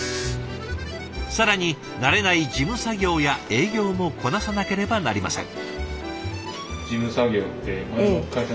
更に慣れない事務作業や営業もこなさなければなりません。